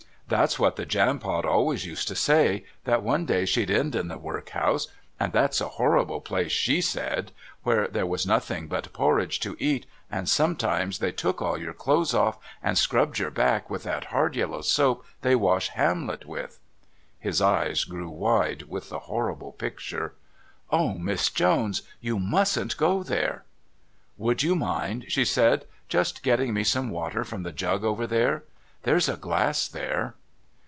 "That's what the Jampot always used to say, that one day she'd end in the workhouse; and that's a horrible place, SHE said, where there was nothing but porridge to eat, and sometimes they took all your clothes off and scrubbed your back with that hard yellow soap they wash Hamlet with." His eyes grew wide with the horrible picture. "Oh, Miss Jones, you mustn't go there!" "Would you mind," she said, "just getting me some water from the jug over there? There's a glass there."